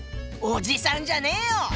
おじさんじゃねえよ！